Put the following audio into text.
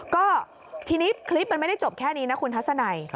ก็ทีนี้คลิปมันไม่ได้จบแค่นี้นะคุณทัศนัย